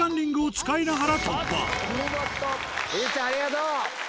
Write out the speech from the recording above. はりづちゃんありがとう。